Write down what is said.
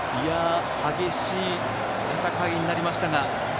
激しい戦いになりましたが。